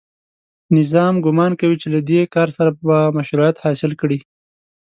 نظام ګومان کوي چې له دې کار سره به مشروعیت حاصل کړي